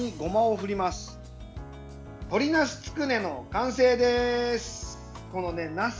鶏なすつくねの完成です。